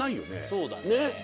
そうだね